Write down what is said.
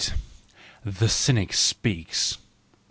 The Cynic Speaks.